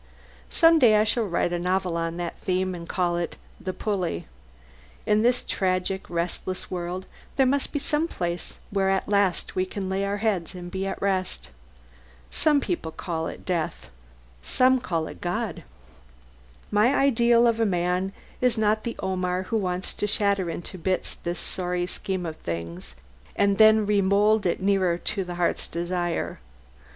Some day I shall write a novel on that theme, and call it "The Pulley." In this tragic, restless world there must be some place where at last we can lay our heads and be at rest. Some people call it death. Some call it God. My ideal of a man is not the Omar who wants to shatter into bits this sorry scheme of things, and then remould it nearer to the heart's desire.